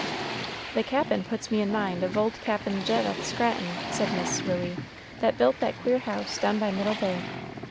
"The Cap'n puts me in mind of old Cap'n Jeduth Scranton," said Miss Ruey, "that built that queer house down by Middle Bay.